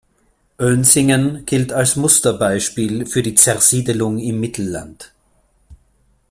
Oensingen gilt als Musterbeispiel für die Zersiedelung im Mittelland.